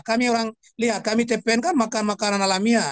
kami orang tpn kan makan makanan alamiah